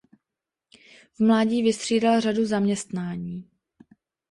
V mládí vystřídal řadu zaměstnání.